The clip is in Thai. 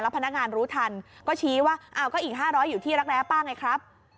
พนักงานรู้ทันก็ชี้ว่าอ้าวก็อีก๕๐๐อยู่ที่รักแร้ป้าไงครับ